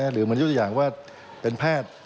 หรือเป็นยุทธ์อย่างเป็นแพทย์